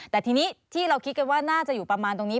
แต่ทีนี้ที่เราคิดกันว่าน่าจะอยู่ประมาณตรงนี้